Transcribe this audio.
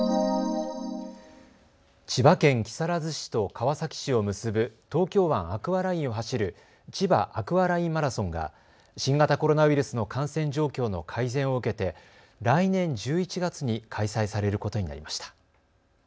千葉県木更津市と川崎市を結ぶ東京湾アクアラインを走るちばアクアラインマラソンが新型コロナウイルスの感染状況の改善を受けて来年１１月に開催されることになりました。